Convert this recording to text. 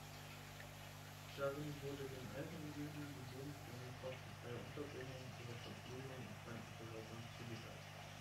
Darin wurde den älteren Juden die lebenslange kostenfreie Unterbringung, ihre Verpflegung und Krankenversorgung zugesagt.